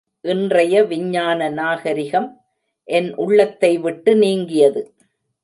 இன்றைய விஞ்ஞான நாகரிகம் என் உள்ளத்தைவிட்டு நீங்கியது.